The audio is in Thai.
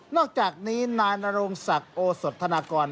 อกจากนี้นายนโรงศักดิ์โอสดธนากร